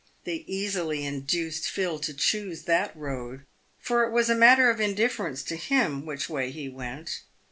They easily induced Phil to choose that road, for it was a matter of indifference to him which way he went.